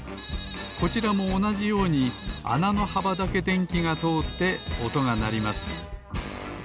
こちらもおなじようにあなのはばだけでんきがとおっておとがなります。